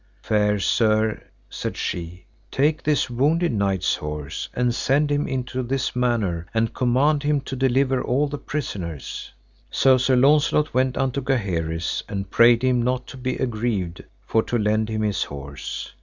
Fair sir, said she, take this wounded knight's horse and send him into this manor, and command him to deliver all the prisoners. So Sir Launcelot went unto Gaheris, and prayed him not to be aggrieved for to lend him his horse.